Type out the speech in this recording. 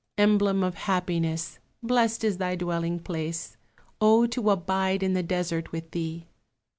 Emblem of happiness, Blest is thy dwelling place O to abide in the desert with thee!